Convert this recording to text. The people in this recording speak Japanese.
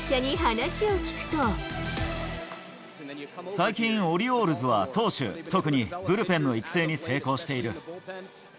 最近、オリオールズは投手、特にブルペンの育成に成功している。